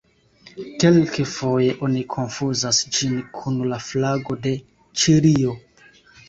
Kelkfoje oni konfuzas ĝin kun la flago de Ĉilio.